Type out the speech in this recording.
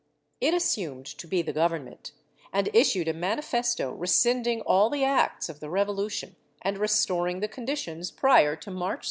It assumed to be the Govern ment and issued a manifesto rescinding all the acts of the Revo lution and restoring the conditions prior to March 7, 1820.